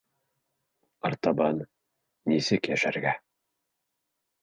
Артабан нисек йәшәргә?